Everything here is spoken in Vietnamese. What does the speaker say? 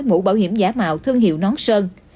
mũ bảo hiểm giả mạo thương hiệu nón sơn